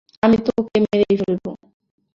আমি তোকে মেরেই ফেলব!